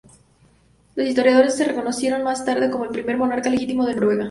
Los historiadores le reconocieron más tarde como el primer monarca legítimo de Noruega.